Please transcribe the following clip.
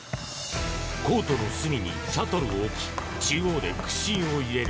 コートの隅にシャトルを置き中央で屈伸を入れる。